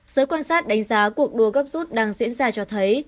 giới quan sát đánh giá cuộc đua gấp rút đang diễn ra cho thấy